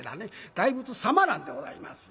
「大仏様」なんでございますよ。